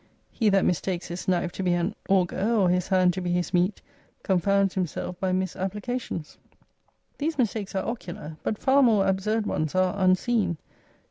He that mistakes his knife to be an auger, or his hand to be his meat, confounds himself by misapplications. These mistakes are ocular. But far more absurd ones are unseen.